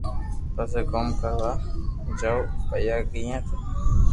پسي ڪوم ڪروا جاو پييا ڪئي ني